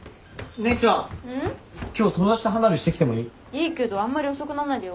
いいけどあんまり遅くなんないでよ。